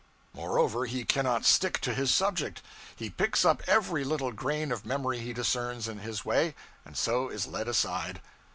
Moreover, he cannot stick to his subject. He picks up every little grain of memory he discerns in his way, and so is led aside.